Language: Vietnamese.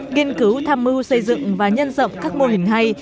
nghiên cứu tham mưu xây dựng và nhân rộng các mô hình hay